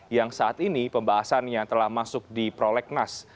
yang saat ini pembahasannya telah masuk di prolegnas